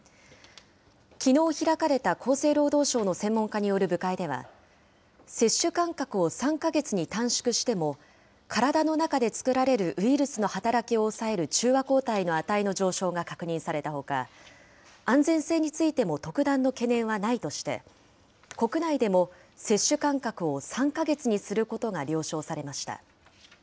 きのう開かれた厚生労働省の専門家による部会では、接種間隔を３か月に短縮しても、体の中で作られるウイルスの働きを抑える中和抗体の値の上昇が確認されたほか、安全性についても特段の懸念はないとして、国内でも接種間隔を３か月にすることが了承されました。